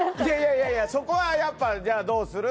いやいやそこはやっぱじゃあどうする？